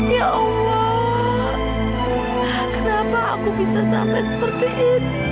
ya allah kenapa aku bisa sampai seperti ini